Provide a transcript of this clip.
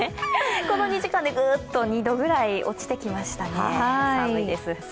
この２時間でグッと２度ぐらい落ちてきましたね、寒いです。